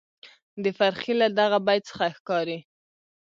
د فرخي له دغه بیت څخه ښکاري،